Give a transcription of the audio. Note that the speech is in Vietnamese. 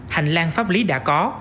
hành lang pháp lý đã có